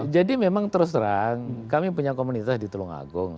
jadi memang terus terang kami punya komunitas di tulungagung